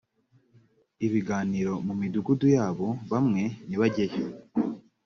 ibiganiro mu midugudu yabo bamwe ntibajyeyo